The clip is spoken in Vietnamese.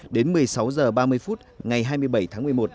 đến một mươi sáu h ba mươi phút ngày hai mươi bảy tháng một mươi một